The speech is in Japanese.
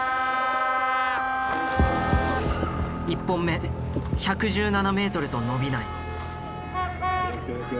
１本目１１７ｍと伸びない。